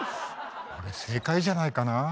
俺正解じゃないかな。